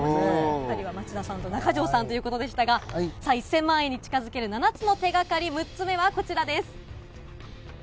２人は、町田さんと中条さんということでしたが、さあ、１０００万円に近づける７つの手がかり、６つ目はこちらです。